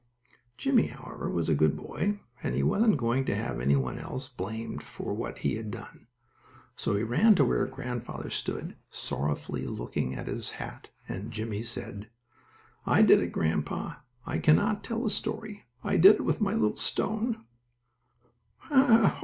Jimmie, however, was a good boy, and he wasn't going to have any one else blamed for what he had done. So he ran to where his grandfather stood, sorrowfully looking at his hat, and Jimmie said: "I did it, grandpa. I cannot tell a story. I did it with my little stone."